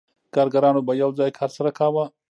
کارګرانو به یو ځای کار سره کاوه